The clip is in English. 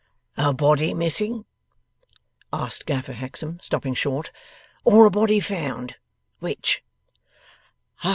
'A body missing?' asked Gaffer Hexam, stopping short; 'or a body found? Which?